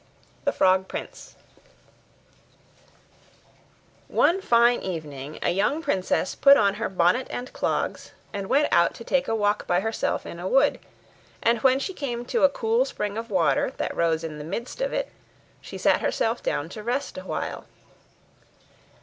THE FROG PRINCE One fine evening a young princess put on her bonnet and clogs, and went out to take a walk by herself in a wood; and when she came to a cool spring of water, that rose in the midst of it, she sat herself down to rest a while.